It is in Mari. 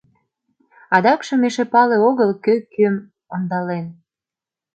Адакшым эше пале огыл, кӧ кӧм ондален.